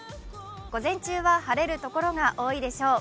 午前中は晴れるところが多いでしょう。